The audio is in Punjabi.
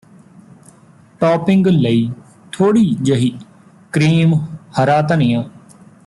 ਟੌਪਿੰਗ ਲਈ ਥੋੜ੍ਹੀ ਜਿਹੀ ਕ੍ਰੀਮ ਹਰਾ ਧਨੀਆ